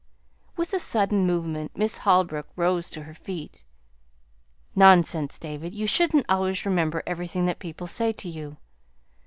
With a sudden movement Miss Holbrook rose to her feet. "Nonsense, David! You shouldn't always remember everything that people say to you.